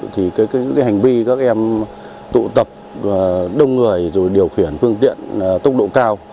thì hành vi các em tụ tập đông người điều khiển phương tiện tốc độ cao